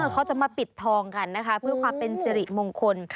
เขาจะมาปิดทองกันนะคะเพื่อความเป็นสิริมงคล